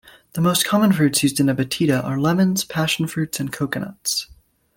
The most common fruits used in a batida are lemons, passion fruits and coconuts.